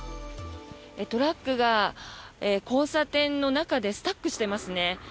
トラックが交差点の中でスタックしてますね。